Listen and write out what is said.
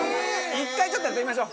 １回ちょっとやってみましょう。